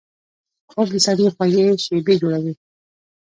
خوب د سړي خوږې شیبې جوړوي